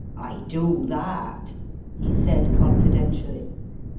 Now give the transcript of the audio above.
"I do that!" he said confidentially.